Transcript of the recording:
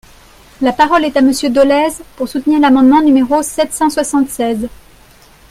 La parole est à Monsieur Dolez, pour soutenir l’amendement numéro sept cent soixante-seize.